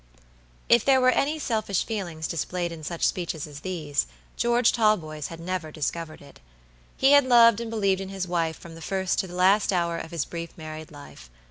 If there were any selfish feelings displayed in such speeches as these, George Talboys had never discovered it. He had loved and believed in his wife from the first to the last hour of his brief married life.